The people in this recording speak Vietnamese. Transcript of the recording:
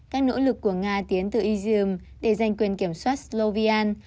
các nỗ lực của nga tiến từ asia để giành quyền kiểm soát slovian